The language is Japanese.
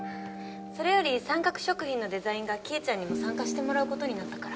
それより三角食品のデザイン画希恵ちゃんにも参加してもらうことになったから。